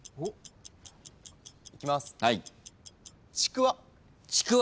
いきます。